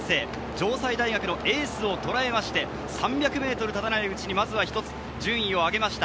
城西大学のエースをとらえまして、３００ｍ満たないうちに、まずは１つ順位を上げました。